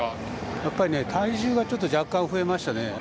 やっぱりね、体重がちょっと若干増えましたね。